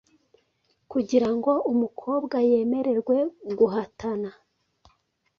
kugirango umukobwa yemererwe guhatana